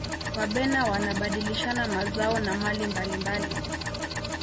wabena wanabadilishana mazao na mali mbalimbali